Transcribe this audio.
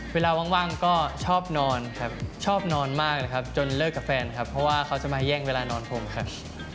เวลาว่างก็ชอบนอนครับชอบนอนมากเลยครับจนเลิกกับแฟนครับเพราะว่าเขาจะมาแย่งเวลานอนผมครับ